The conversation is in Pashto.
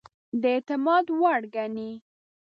د اعتماد وړ ګڼي.